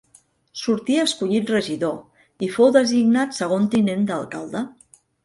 Sortí escollit regidor i fou designat segon tinent d'alcalde.